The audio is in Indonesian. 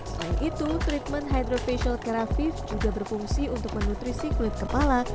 selain itu treatment hydra facial keravive juga berfungsi untuk menutrisi kulit kepala